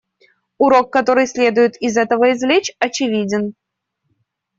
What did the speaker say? Урок, который следует из этого извлечь, очевиден.